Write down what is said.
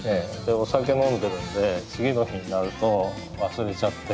お酒飲んでるんで次の日になると忘れちゃって。